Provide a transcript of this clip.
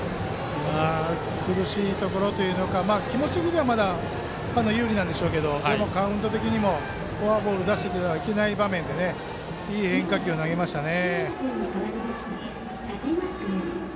苦しいところというか気持ち的にはまだ有利なんでしょうけどでもカウント的にもフォアボールを出してはいけない場面でいい変化球を投げましたね。